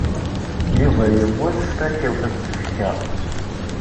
Yuba yemmut s takewt n tfekka.